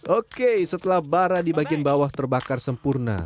oke setelah bara di bagian bawah terbakar sempurna